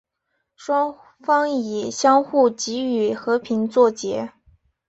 双方以相互给予和平作结。